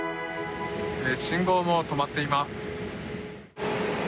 信号も止まっています。